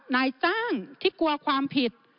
นายจ้างที่กลัวความผิด